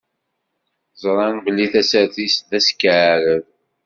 Ẓṛan belli tasertit d askeɛrer.